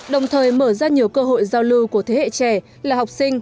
đồng thời mở ra nhiều cơ hội giao lưu của thế hệ trẻ là học sinh